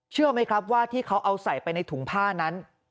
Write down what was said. เชื่อไหมครับว่าที่เขาเอาใส่ไปในถุงผ้านั้น